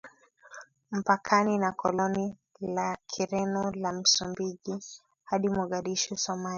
mpakani na koloni la Kireno la Msumbiji hadi Mogadishu Somalia